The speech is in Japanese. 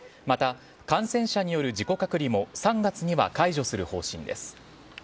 また、感染者による自己隔離も３月には解除する方針です。